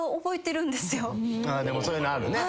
でもそういうのあるね。